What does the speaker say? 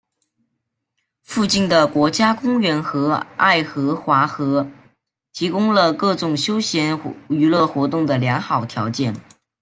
附近的国家公园和爱荷华河提供了各种休闲娱乐活动的良好条件。